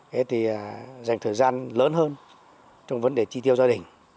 thế thì dành thời gian lớn hơn trong vấn đề chi tiêu gia đình